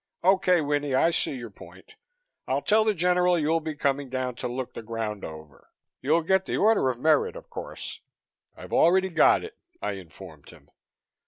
Okay, Winnie, I see your point. I'll tell the General you'll be coming down to look the ground over. You'll get the Order of Merit, of course " "I've already got it," I informed him.